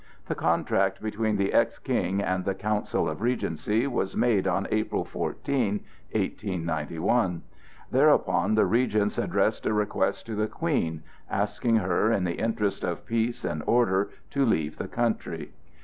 The contract between the ex King and the council of regency was made on April 14, 1891. Thereupon the regents addressed a request to the Queen, asking her, in the interest of peace and order, to leave the country.